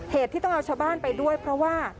เหตุที่ต้องเอาชาวบ้านไปด้วยเพราะว่า